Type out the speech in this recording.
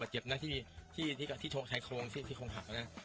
เปิดเจ็บที่โทรงแกหายโครงสระสุดท่วน